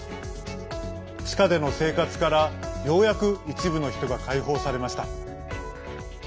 地下での生活から、ようやく一部の人が解放されました。